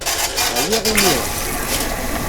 Ɛyiɣ imir-a.